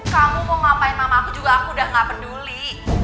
kamu mau ngapain sama aku juga aku udah gak peduli